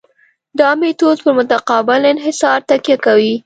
دا میتود په متقابل انحصار تکیه کوي